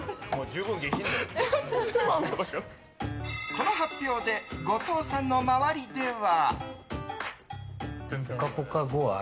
この発表で後藤さんの周りでは。